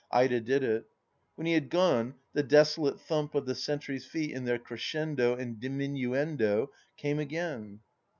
Ida did it. When he had gone the desolate thump of the sentry's feet in thek crescendo and diminuendo came again.